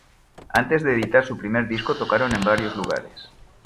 Antes de editar su primer disco tocaron en varios lugares.